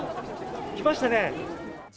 来ましたね。